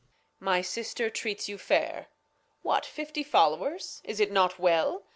My Sister treats you fair ; what! fifty Followers ? Is it not well ?